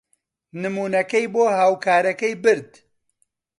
نموونەکەی بۆ هاوکارەکەی برد.